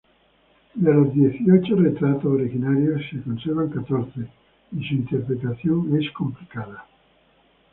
De los dieciocho retratos originarios, se conservan catorce y su interpretación es complicada.